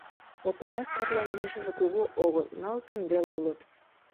Опанас Кырлян ешыже кугу огыл, нылытын веле улыт.